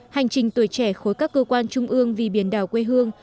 hành trình tuổi trẻ khối các cơ quan trung ương vì biển đảo quê hương